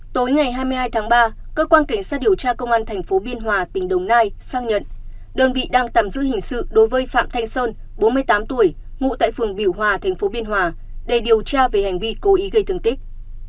tối ngày hai mươi hai tháng ba cơ quan cảnh sát điều tra công an thành phố biên hòa tỉnh đồng nai xác nhận đơn vị đang tạm giữ hình sự đối với phạm thanh sơn bốn mươi tám tuổi ngụ tại phường biểu hòa tp biên hòa để điều tra về hành vi cố ý gây thương tích